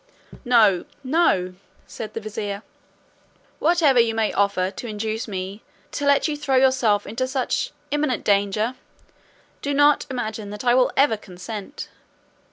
"No, no," said the vizier "whatever you may offer to induce me to let you throw yourself into such imminent danger, do not imagine that I will ever consent.